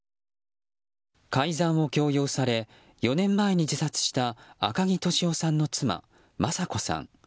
改ざんを強要され４年前に自殺した赤木俊夫さんの妻・雅子さん。